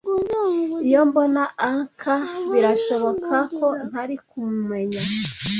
Iyo mbona Anca, birashoboka ko ntari kumumenya.